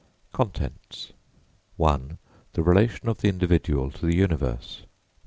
CONTENTS I. THE RELATION OF THE INDIVIDUAL TO THE UNIVERSE II.